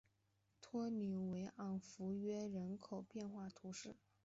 托里尼昂弗约人口变化图示